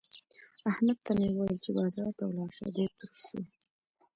احمد ته مې وويل چې بازار ته ولاړ شه؛ دی تروش شو.